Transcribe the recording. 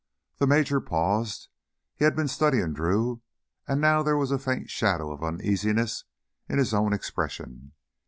The major paused. He had been studying Drew, and now there was a faint shadow of uneasiness in his own expression.